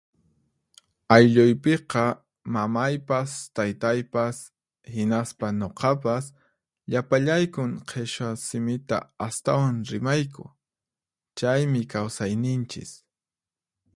Aylluypiqa, mamaypas taytaypas, hinaspa nuqapas, llapallaykun Qhichwa simita astawan rimayku. Chaymi kawsayninchis.